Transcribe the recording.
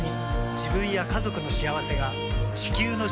自分や家族の幸せが地球の幸せにつながっている。